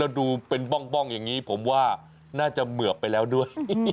ดูเป็นบ้องอย่างนี้ผมว่าน่าจะเหมือบไปแล้วด้วย